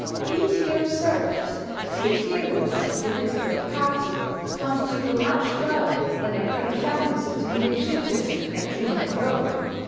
Be it here observed that the adherents of the literary party wanted to go much further than the great founders of the new Shintoism had dreamed of going.